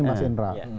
ini mas indra